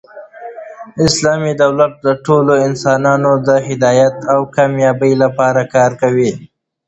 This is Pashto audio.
اسلامي دولت د ټولو انسانانو د هدایت او کامبابۍ له پاره کار کوي.